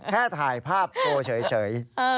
แค่ถ่ายภาพโชว์เฉย